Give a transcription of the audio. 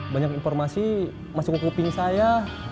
banyak informasi masih ngukupin saya